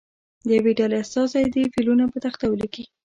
د یوې ډلې استازی دې فعلونه په تخته ولیکي.